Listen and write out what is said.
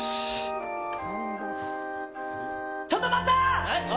ちょっと待った！